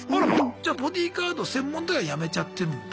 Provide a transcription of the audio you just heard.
じゃボディーガード専門では辞めちゃってるんだ。